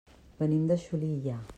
Venim de Xulilla.